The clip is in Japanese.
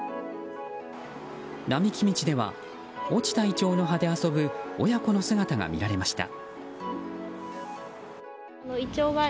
並木道では落ちたイチョウの葉で遊ぶ親子の姿が見られました。